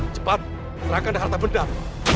cepat serahkan harta benar